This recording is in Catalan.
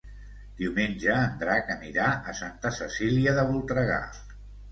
Diumenge en Drac anirà a Santa Cecília de Voltregà.